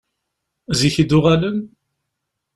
Zik i d-uɣalen?